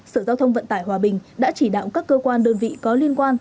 sở giao thông vận tải hòa bình đã chỉ đạo các cơ quan đơn vị có liên quan